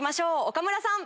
岡村さん。